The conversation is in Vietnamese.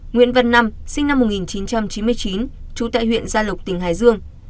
nguyễn văn năm sinh năm một nghìn chín trăm chín mươi chín trú tại huyện gia lộc tỉnh hải dương